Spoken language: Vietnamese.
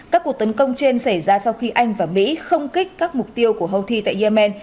các cuộc tấn công trên xảy ra sau khi anh và mỹ không kích các mục tiêu của houthi tại yemen